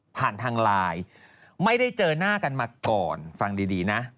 ผ่านทางไลน์ไม่ได้เจอหน้ากันมาก่อนฟังดีนะ